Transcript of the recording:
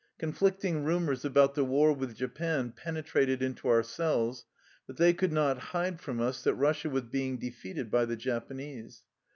Conflicting rumors about the war with Japan penetrated into our cells, but they could not hide from us that Eussia was being defeated by the Japanese.